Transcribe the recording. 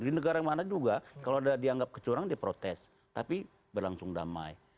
di negara mana juga kalau ada dianggap kecurangan dia protes tapi berlangsung damai